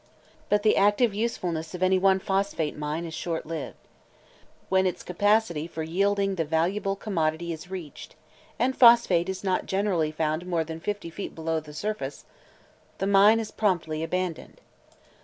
But the active usefulness of any one phosphate mine is short lived. When its capacity for yielding the valuable commodity is reached (and phosphate is not generally found more than fifty feet below the surface), the mine is promptly abandoned.